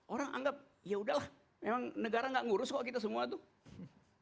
orang anggap ya udahlah memang negara gak ngurus kok kita semua papua gak diurus